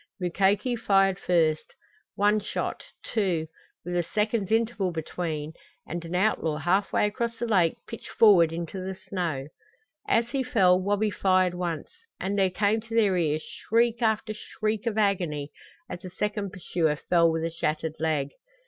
Mukoki fired first; one shot, two with a second's interval between and an outlaw half way across the lake pitched forward into the snow. As he fell, Wabi fired once, and there came to their ears shriek after shriek of agony as a second pursuer fell with a shattered leg.